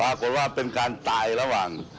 ปรากฏว่าเป็นการตายระหว่าง